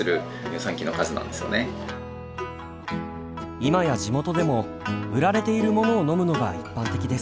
今や地元でも売られているものを飲むのが一般的です。